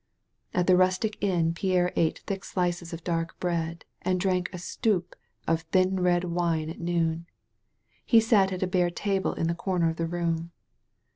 At the rustic inn Pierre ate thick slices of dark bread and drank a stoup of thin red wine at noon. He sat at a bare table in the comer of the room.